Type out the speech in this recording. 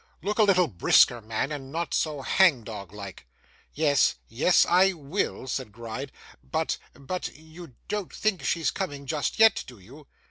Look a little brisker, man, and not so hangdog like!' 'Yes, yes, I will,' said Gride. 'But but you don't think she's coming just yet, do you?